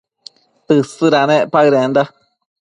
Tësëdanec paëdenda